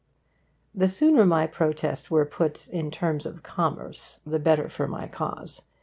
The sooner my protest were put in terms of commerce, the better for my cause.